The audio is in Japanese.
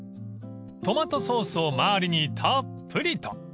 ［トマトソースを周りにたっぷりと］